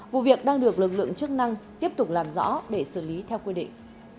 vụ việc đang được lực lượng chức năng tiếp tục làm rõ để xử lý theo quy định